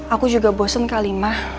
aku juga bosen kak limah